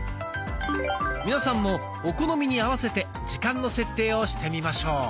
皆さんもお好みに合わせて時間の設定をしてみましょう。